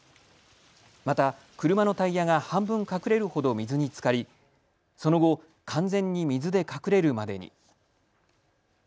また車のタイヤが半分隠れるほど水につかりその後、完全に水で隠れるまでに。